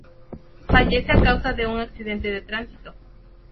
Fallece a causa de un accidente de tránsito.